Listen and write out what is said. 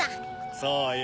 ・そうよ